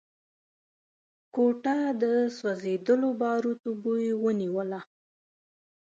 کوټه د سوځېدلو باروتو بوی ونيوله.